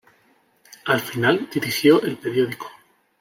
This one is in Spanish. Al final dirigió el periódico.